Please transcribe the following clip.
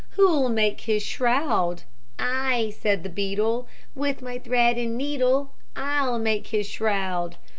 Who'll make his shroud? "I," said the beetle, "With my thread and needle. I'll make his shroud."